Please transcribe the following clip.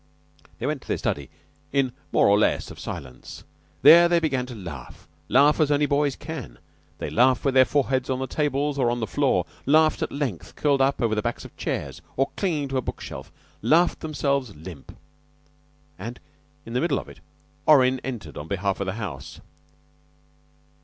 They went to their study in more or less of silence. There they began to laugh laugh as only boys can. They laughed with their foreheads on the tables, or on the floor; laughed at length, curled over the backs of chairs or clinging to a book shelf; laughed themselves limp. And in the middle of it Orrin entered on behalf of the house.